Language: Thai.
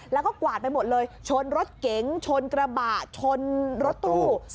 แล้วก็กวาดไปหมดเลยชนรถเก๋งชนกระบะชนรถตู้